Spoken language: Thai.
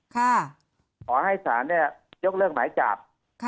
ขอให้ศาลเนี่ยยกเลิกหมายจับ